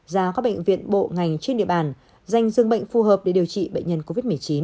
giao các bệnh viện bộ ngành trên địa bàn dành dương bệnh phù hợp để điều trị bệnh nhân covid một mươi chín